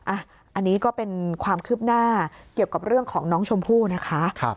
อันนี้ก็เป็นความคืบหน้าเกี่ยวกับเรื่องของน้องชมพู่นะคะ